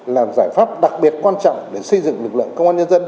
làm giải pháp đặc biệt quan trọng để xây dựng lực lượng công an nhân dân